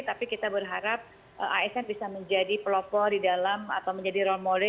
tapi kita berharap asn bisa menjadi pelopor di dalam atau menjadi role model